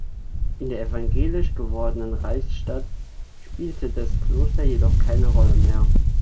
In der evangelisch gewordenen Reichsstadt spielte das Kloster jedoch keine Rolle mehr.